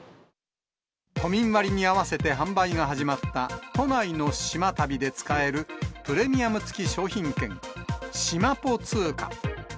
都民割に合わせて販売が始まった、都内の島旅で使えるプレミアム付き商品券、しまぽ通貨。